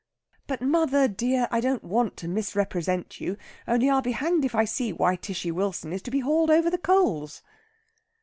"But, mother dear, I don't want to misrepresent you. Only I'll be hanged if I see why Tishy Wilson is to be hauled over the coals?"